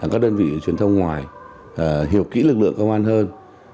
các đơn vị truyền thông ngoài hiểu kỹ lực lượng công an hơn